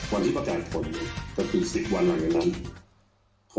วันนี้ประกาศผลก็คือ๑๐วันหลังจากนั้น